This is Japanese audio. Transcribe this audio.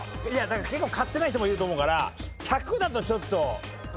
いや結構買ってない人もいると思うから１００だとちょっと。